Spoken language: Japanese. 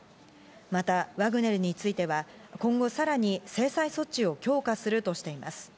またワグネルについては、今後さらに制裁措置を強化するとしています。